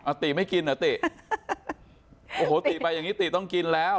ติไม่กินเหรอติโอ้โหติไปอย่างงี้ติต้องกินแล้ว